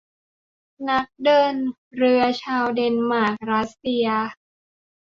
นักเดินเรือชาวเดนมาร์กรัสเซีย